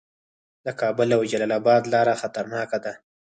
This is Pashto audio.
د کابل او جلال اباد لاره خطرناکه ده